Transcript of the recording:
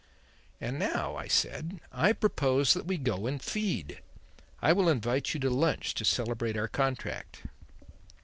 "And now," I said, "I propose that we go and feed. I will invite you to lunch to celebrate our contract."